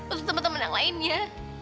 untuk temen temen yang lainnya